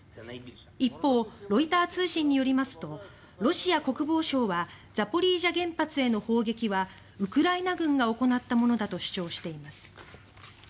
一方、ロイター通信によりますとロシア国防省はザポリージャ原発への砲撃はウクライナ軍が行ったものだと主張しています。